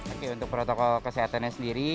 oke untuk protokol kesehatannya sendiri